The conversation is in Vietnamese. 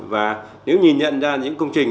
và nếu nhìn nhận ra những công trình